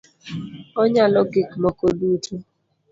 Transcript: Onyalo gik moko duto